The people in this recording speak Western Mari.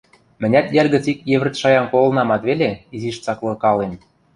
Мӹнят йӓл гӹц ик йӹвӹрт шаям колынамат веле, изиш цаклыкалем...